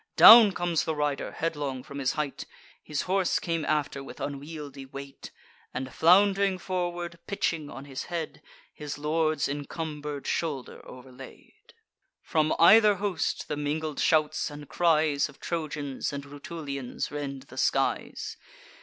Down comes the rider headlong from his height: His horse came after with unwieldy weight, And, flound'ring forward, pitching on his head, His lord's encumber'd shoulder overlaid. From either host, the mingled shouts and cries Of Trojans and Rutulians rend the skies.